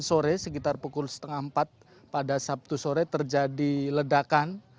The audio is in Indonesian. sore sekitar pukul setengah empat pada sabtu sore terjadi ledakan